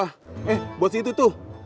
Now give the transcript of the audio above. eh buat si itu tuh